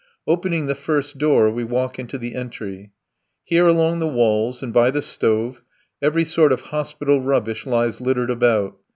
Opening the first door, we walk into the entry. Here along the walls and by the stove every sort of hospital rubbish lies littered about.